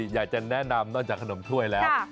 อยากจะแนะนำนอกจากขนมถ้วยแล้ว